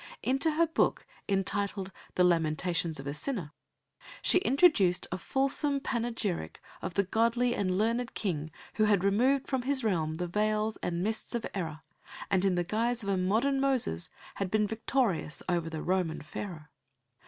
Into her book entitled The Lamentations of a Sinner, she introduced a fulsome panegyric of the godly and learned King who had removed from his realm the veils and mists of error, and in the guise of a modern Moses had been victorious over the Roman Pharaoh.